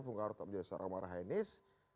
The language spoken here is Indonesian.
bung karno tetap menjadi seorang marahainis